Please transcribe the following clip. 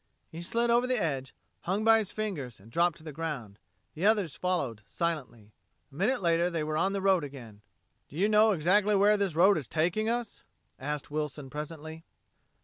He slid over the edge, hung by his fingers and dropped to the ground. The others followed, silently. A minute later they were on the road again. "Do you know exactly where this road is taking us?" asked Wilson presently.